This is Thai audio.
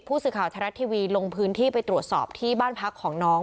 ผู้สื่อข่าวชะลัดทีวีลงพื้นที่ไปตรวจสอบที่บ้านพักของน้อง